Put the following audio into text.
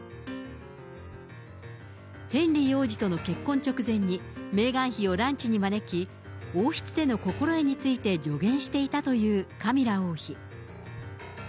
ヘンリー王子との結婚直前に、メーガン妃をランチに招き、王室での心得について助言していたというカミラ王妃。